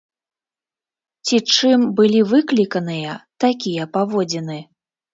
Ці чым былі выкліканыя такія паводзіны?